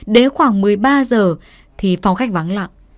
đến khoảng một mươi ba giờ thì phong khách vắng lặng